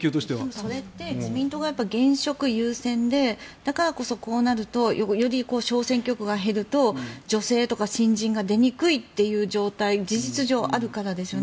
それって自民党が現職優先でだからこそ、こうなるとより小選挙区が減ると女性とか新人が出にくいという状態に事実上、あるからですよね。